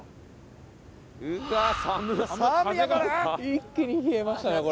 一気に冷えましたねこれ。